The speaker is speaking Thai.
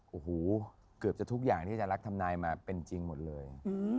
โอ้โหเกือบจะทุกอย่างที่จะรักทำนายมาเป็นจริงหมดเลย